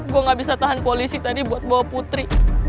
gue gak bisa tahan koalisi tadi buat bawa putri